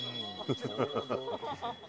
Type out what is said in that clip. ハハハハ！